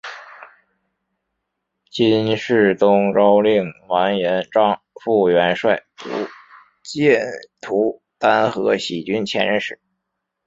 金世宗诏令完颜璋赴元帅都监徒单合喜军前任使。